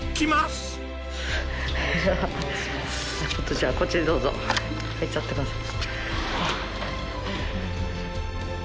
じゃあこっちにどうぞ入っちゃってください。